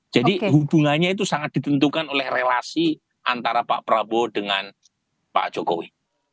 jadi hubungannya itu sangat ditentukan oleh relasi antara pak prabowo dengan pak jokowi